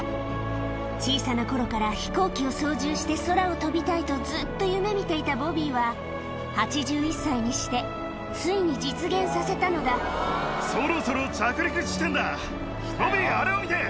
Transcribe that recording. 小さな頃から飛行機を操縦して空を飛びたいとずっと夢見ていたボビーは８１歳にしてついに実現させたのだおっ。